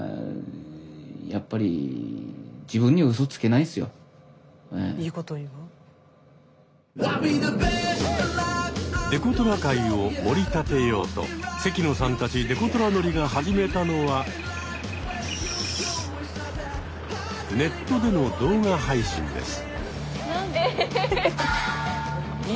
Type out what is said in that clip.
何でかっちゃんはデコトラ界をもり立てようと関野さんたちデコトラ乗りが始めたのはネットでの動画配信です。